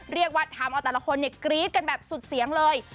เรียกว่าทำเอาแต่ละคนเนี่ยกรี๊ดกันแบบสุดเสียงเลย